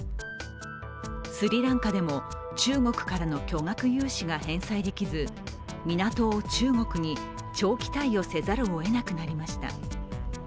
スリランカでも中国からの巨額融資が返済できず、港を中国に長期貸与せざるをえなくなりました